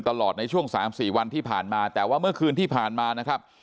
ตลอดในช่วงสามสี่วันที่ผ่านมาแต่ว่าเมื่อคืนที่ผ่านมานะครับ